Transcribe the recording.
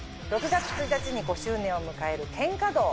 ６月１日に５周年を迎える『喧嘩道』。